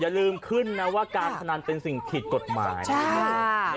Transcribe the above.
อย่าลืมขึ้นนะว่าการพนันเป็นสิ่งผิดกฎหมาย